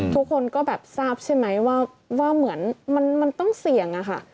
ทุกคนก็แบบทราบใช่ไหมว่าเหมือนมันต้องเสี่ยงอะค่ะ